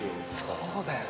そうだよね。